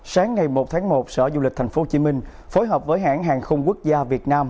sáng ngày một tháng một sở du lịch tp hcm phối hợp với hãng hàng không quốc gia việt nam